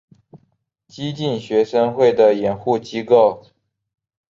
激进学生会的掩护机构。